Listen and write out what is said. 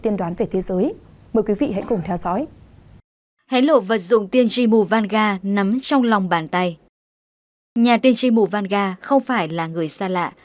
nhà tiên tri mù vanga không phải là người xa lạ